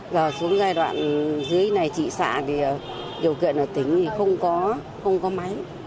giờ xuống giai đoạn dưới này trị xạ thì điều kiện ở tỉnh thì không có máy